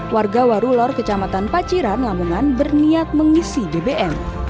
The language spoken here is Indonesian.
warga warulor kecamatan paciran lamongan berniat mengisi bbm